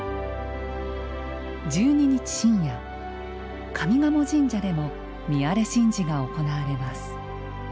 １２日深夜、上賀茂神社でも御阿礼神事が行われます。